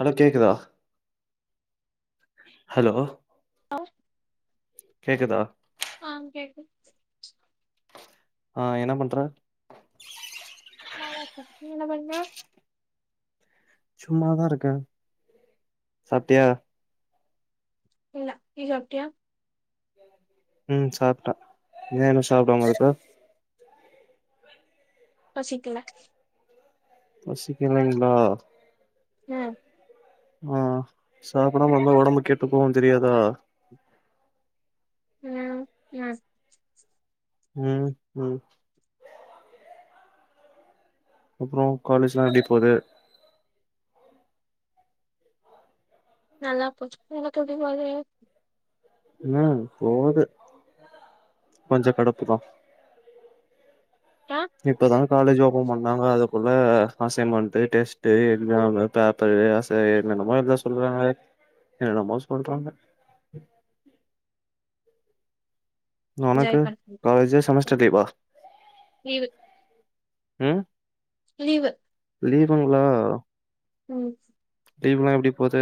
hello கேக்குதா hello ஒ கேக்குதா ஆஹ் கேக்குது ஆஹ் என்ன பண்ற சும்மாதா இருக்கே நீங்க என்ன பண்ற சும்மாதா இருக்கே சாப்டியா இல்ல நீ சாப்டியா உம் சாப்ட்டே ஏ இன்னு சாப்டாம இருக்க பசிக்கல பசிக்கலங்ளா உம் ஆஹ் சாப்டாம இருந்தா ஒடம்பு கெட்டு போகுன் தெரியாதா உம் உம் உம் உம் அப்றோ காலேஜ்லா எப்டி போது நல்லா போது உனக்கு எப்டி போகுது உம் போது கொஞ்ச கடுப்பு தா ஆ இப்பதா காலேஜ் ஓப்பன் பண்ணாங்க அதுக்குள்ள அஹ் அசைன்மென்டு டெஸ்ட்டு எக்ஸாமு பேப்பரு [unintelligible] என்னமோ அப்டிதா சொல்வாங்களா என்னமோ சொல்றாங்க என்ஜாய் ஒனக்கு பண்ணு காலேஜு செமஸ்டர் லீவா லீவு உம் லீவு லீவுங்ளோ உம் லீவுலா எப்டி போது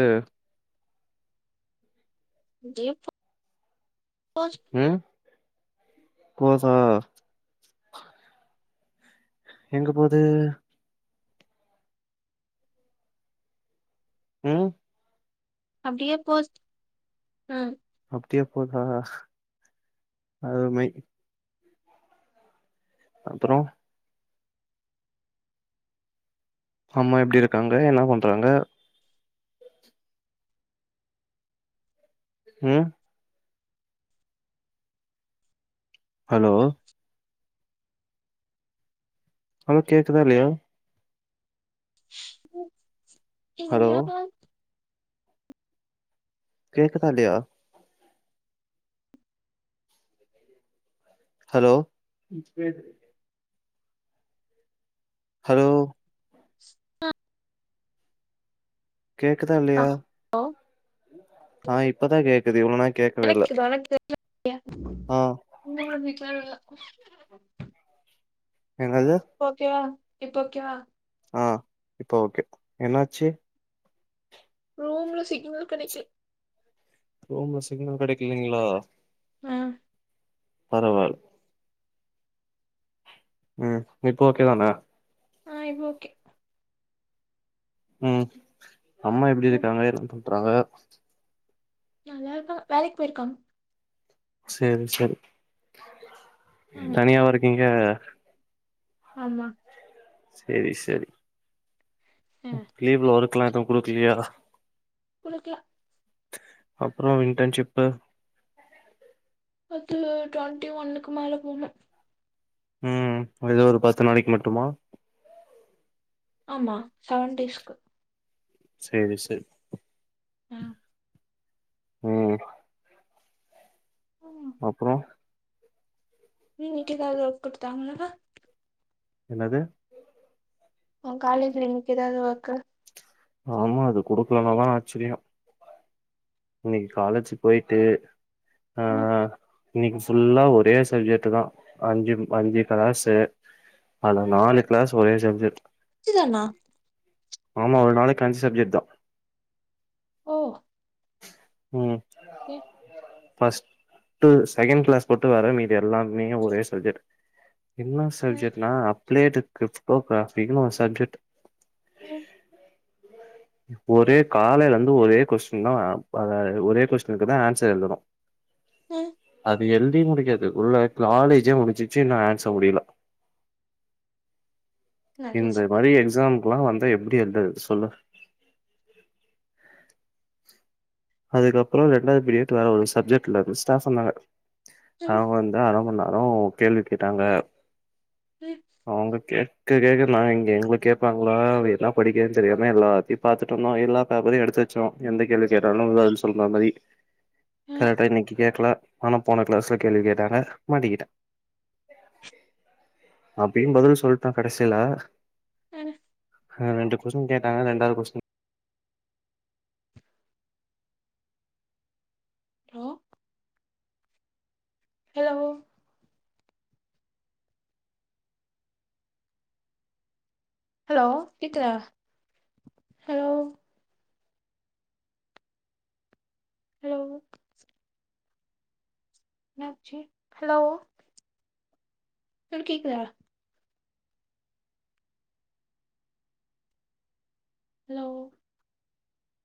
உம் ஜெ கெ ஆச் ம் போதா எங்க போது உம் அப்டியா போது உம் அப்படியே போதா அருமை அப்புறம் அம்மா எப்படி இருக்காங்க என்ன பண்றாங்க ம் ஹலோ ஹலோ கேக்குதா இல்லையா [inaudible] ஹலோ [inaudible] கேகுதா இல்லயா ஹலோ ஹலோ [inaudible] கேக்குதா இல்லையா ஹலோ ஆ இப்பதான் கேக்குது இவ்வளோ நேர எனக்கு வணக்கு ஆ [unintelligible] என்னது ஓகேவா இப்போ ஒகே வா ஆ இப்ப ஓகே என்னாச்சு ரூம்ல சிக்னல் கடைகல ரூம்ல சிக்னல் கிடைக்கல்லலைங்களா ம் பரவால ம் இப்போ ஓகே தான ஆ இப்ப ஓகே ம் அம்மா எப்படி ம் இருக்காங்க என்ன பண்றாங்க [inaudible] நல்லா இருக்கா வேலைக்கு போயிருக்காங்க சேரி சேரி ம் தனியாவா இருக்கீங்க ஆ ஆமா சரி சரி ஆ லீவ்ல ஒர்க்லா எதும் குடுக்கலையா குடுக்கல அப்புறம் இன்டர்ன்ஷிப்பு பத்து டுவெண்ட்டி ஒன்னுக்கு மேல போனும் ம் ஏதோ ஒரு பத்து நாளைக்கு மட்டுமா ஆமா செவன் டேஸ்க்கு செரி செரி ம் ம் அப்புறோ உம் வீட்டு [unintelligible] எதாவது குடுத்தாங்களா என்னது உ காலேஜ்ல இன்னைக்கி ஏதாவது ஒர்க்கு ஆமா அது குடுக்கலனாதா ஆச்சரியோ இன்னைக்கு காலேஜு போயிட்டு உம் இன்னைக்கி ஃபுல்லா ஒரே சப்ஜெக்ட் தா அஞ்சு அஞ்சு க்ளாஸு அதுல நாலு கிளாஸ் ஒரே சப்ஜெக்ட் ஞ்சு தானா ஆமா ஒரு நாளைக்கி அஞ்சி சப்ஜெக்ட் தா ஓ உம் [unintelligible] ஃபஸ்ட்டு செகண்ட் கிளாஸ் போட்டு வற மீதி எல்லாமே ஒரே சப்ஜெக்ட் என்ன சப்ஜெக்ட்னா அப்டே கிரிப்டோகிராபிக்குனு ஒரு சப்ஜெக்ட் உம் ஒரே காலையிலேருந்து ஒரே கொஸ்டின் தா அத ஒரே கொஸ்டினுக்கு தா ஆன்வசர் எழுதனு உம் அது எழுதி முடிக்கறதுகுள்ள காலேஜே முடிச்சிச்சு இன்னு ஆன்வசர் முடியல நல்லது இந்த மாரி எக்ஸாம் ல்லாம் வந்த எப்டி எழுதுறது சொல்லு அதுக்கப்புறோ ரெண்டாவது பீரியட் வேற ஒரு சப்ஜெக்ட்லருந்து ஸ்டாப்லா அவுங்க வந்து அரமண்னு அப்புறோ கேள்வி கேட்டாங்க அவுங்க கே கேள்வியா கேட்ருந்தாங்க இங்க எங்களுக்கு கேட்பாங்களா என்னா படிக்கன்னு தெரியாம எல்லாத்தயு பாத்துட்டுருந்தோ எல்லா பேப்பரையு எடுத்து வெச்சோ எந்த கேள்வி கே [unintelligible] பதில் சொல்ற மாரி கரெக்டா இன்னிக்கி கேட்ருவாங் ஆனா போன கிளாஸ்ல கேள்வி கேட்டாங்க மாட்டிக்கிட்டே அப்டியு பதில் சொல்லிட்டே கடசியா ம் ஆஹ் ரெண்டு கொஸ்டின் கேட்டாங்க ரெண்டாவது கொஸ்டின் ஹலோ ஹலோ ஹலோ கேக்குதா ஹலோ ஹலோ என்னாச்சு ஹலோ சொல்லு கேக்குதா ஹலோ